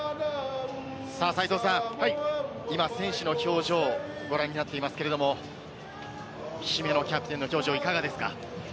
斉藤さん、今選手の表情をご覧になっていますけれども、姫野キャプテンの表情いかがですか？